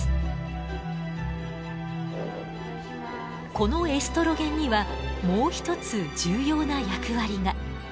このエストロゲンにはもう一つ重要な役割が。